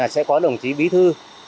sẽ có đồng chí bí thư